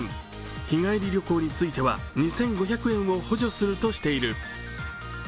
日帰り旅行については２５００円を補助するとしている。